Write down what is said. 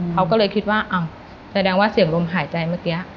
เขาก็เลยคิดว่าอ้าวแสดงว่าเสียงลมหายใจเมื่อกี้